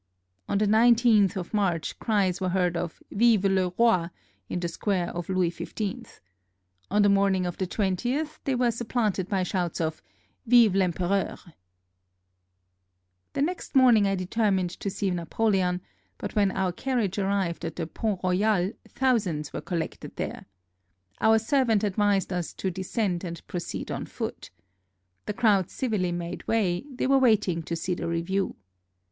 [On the 19th of March cries were heard of " Vive le Rot! " in the square of Louis XV. On the morning of the 20th they were supplanted by shouts of " Vive VEmpereur !"] The next morning I determined to see Napoleon, but when our carriage arrived at the Pont Royal thousands were collected there. Our servant advised us to descend and proceed on foot. The crowd civilly made way : they were waiting to see the review.